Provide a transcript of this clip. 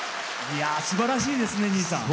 すばらしいですね、兄さん。